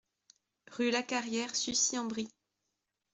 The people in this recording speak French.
Rue Lacarrière, Sucy-en-Brie